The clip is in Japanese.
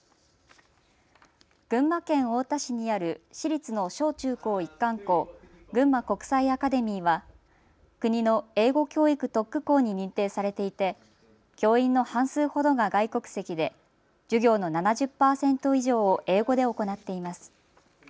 群馬県太田市にある私立の小中高一貫校、ぐんま国際アカデミーは国の英語教育特区校に認定されていて教員の半数ほどが外国籍で授業の７０％以上を英語で行っています。